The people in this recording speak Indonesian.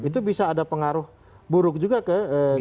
tapi bisa ada pengaruh buruk juga ke gibran